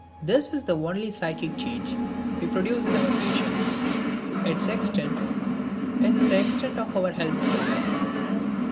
This is the only psychic change we produce in our patients; its extent is the extent of our helpfulness.